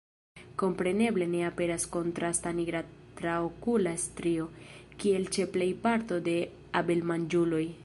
Kompreneble ne aperas kontrasta nigra traokula strio, kiel ĉe plej parto de abelmanĝuloj.